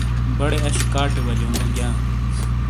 بڑے اش کاٹے ولیونو گیاں۔